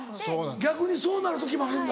逆にそうなる時もあるんだ。